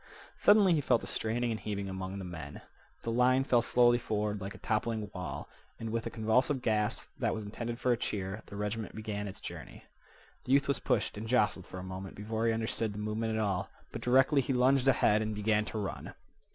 Suddenly he felt a straining and heaving among the men. The line fell slowly forward like a toppling wall, and, with a convulsive gasp that was intended for a cheer, the regiment began its journey. The youth was pushed and jostled for a moment before he understood the movement at all, but directly he lunged ahead and began to run.